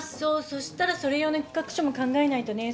そしたらそれ用の企画書も考えないとね。